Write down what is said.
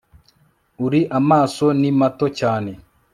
uri amaso ni mato cyane